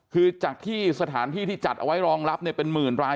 คือจากที่สถานที่ที่จัดเอาไว้รองรับเป็นหมื่นราย